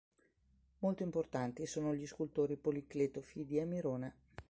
Molto importanti sono gli scultori Policleto Fidia e Mirone.